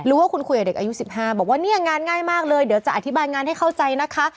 ว่าคุณคุยกับเด็กอายุ๑๕บอกว่าเนี่ยงานง่ายมากเลยเดี๋ยวจะอธิบายงานให้เข้าใจนะคะ